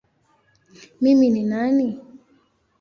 Mimi ni nani?